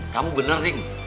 kamu bener ding